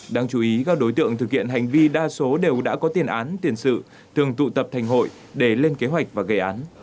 đáng chú ý các đối tượng thực hiện hành vi đa số đều đã có tiền án tiền sự thường tụ tập thành hội để lên kế hoạch và gây án